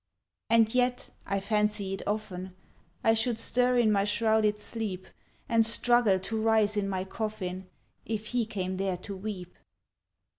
And yet I fancy it often I should stir in my shrouded sleep, And struggle to rise in my coffin, If he came there to weep.